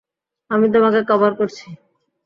আমি তোমাকে কভার করছি!